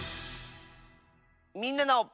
「みんなの」。